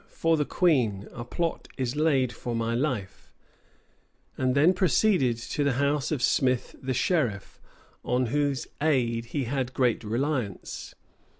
for the queen! a plot is laid for my life;" and then proceeded to the house of Smith the sheriff, on whose aid he had great reliance.